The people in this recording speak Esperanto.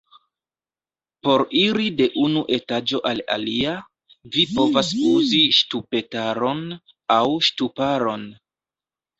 Por iri de unu etaĝo al alia, vi povas uzi ŝtupetaron aŭ ŝtuparon.